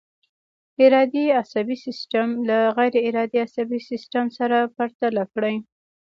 ارادي عصبي سیستم له غیر ارادي عصبي سیستم سره پرتله کړئ.